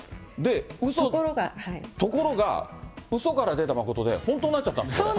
ところが、うそから出たまことで、本当になっちゃったんです、これ。